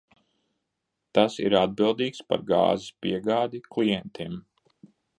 Tas ir atbildīgs par gāzes piegādi klientiem.